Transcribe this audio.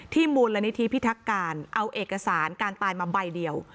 มูลนิธิพิทักการเอาเอกสารการตายมาใบเดียว